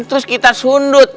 terus kita sundut